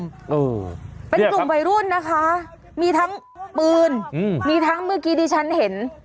เป็นชุมไปรุ่นนะคะมีทั้งปืนมีทั้งเมื่อกี้ที่ฉันเห็น